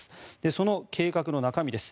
その計画の中身です。